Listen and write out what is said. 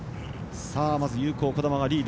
まず有効、児玉がリード。